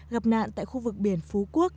gấp nạn tại khu vực biển phú quốc